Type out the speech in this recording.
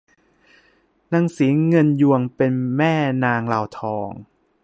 นางศรีเงินยวงเป็นแม่นางลาวทอง